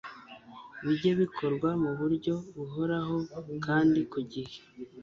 bijye bikorwa mu buryo buhoraho kandi ku gihe